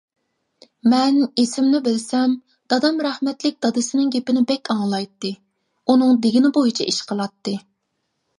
مەن ئېسىمنى بىلسەم، دادام رەھمەتلىك دادىسىنىڭ گېپىنى بەك ئاڭلايتتى، ئۇنىڭ دېگىنى بويىچە ئىش قىلاتتى.